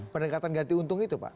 pendekatan ganti untung itu pak